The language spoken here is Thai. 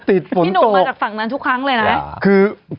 พี่หนุ่มมาทางไลน์ทุกครั้งเลยนะ